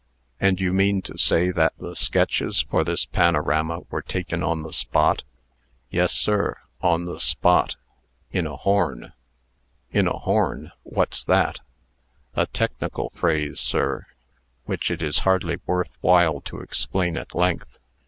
"And you mean to say that the sketches for this panorama were taken on the spot?" "Yes, sir; on the spot in a horn." "In a horn! What's that?" "A technical phrase, sir, which it is hardly worth while to explain at length.